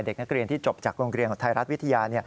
เด็กนักเรียนที่จบจากโรงเรียนของไทยรัฐวิทยา